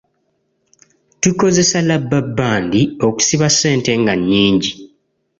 Tukozesa labbabbandi okusiba ssente nga nnyingi.